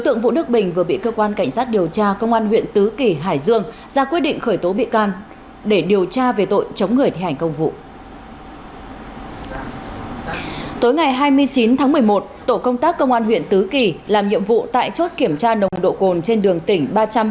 tối ngày hai mươi chín tháng một mươi một tổ công tác công an huyện tứ kỳ làm nhiệm vụ tại chốt kiểm tra nồng độ cồn trên đường tỉnh ba trăm bảy mươi